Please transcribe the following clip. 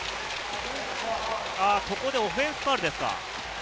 ここでオフェンスファウルですか？